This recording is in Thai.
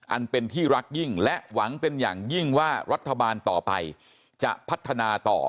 อันเป็นที่รักยิ่งและหวังเป็นอย่างยิ่งว่ารัฐบาลต่อไปจะพัฒนาต่อ